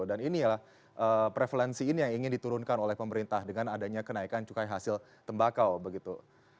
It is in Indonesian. dan ini adalah prevalensi ini yang ingin diturunkan oleh pemerintah dengan adanya kenaikan cukai hasil tembakau begitu